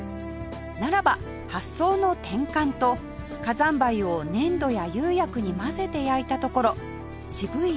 ならば発想の転換と火山灰を粘土や釉薬に混ぜて焼いたところ渋い